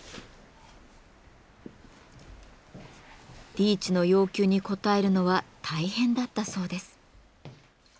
リーチの要求に応えるのは大変だったそうです。